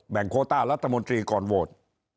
แบ่งโควต้ารัฐมนตรีก่อนโวทธ์